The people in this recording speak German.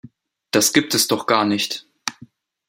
Das gibt es doch gar nicht.